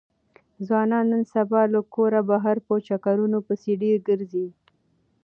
ځوانان نن سبا له کوره بهر په چکرونو پسې ډېر ګرځي.